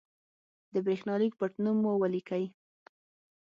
د برېښنالېک پټنوم مو ولیکئ.